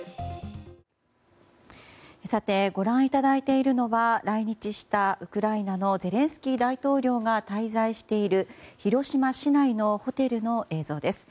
さてご覧いただいているのは来日したウクライナのゼレンスキー大統領が滞在している広島市内のホテルの映像です。